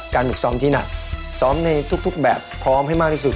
ฝึกซ้อมที่หนักซ้อมในทุกแบบพร้อมให้มากที่สุด